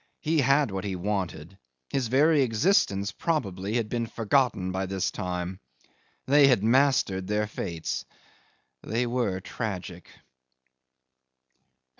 He had what he wanted. His very existence probably had been forgotten by this time. They had mastered their fates. They were tragic.